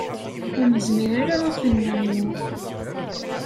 Ur nezmir ara ad ten-nernu.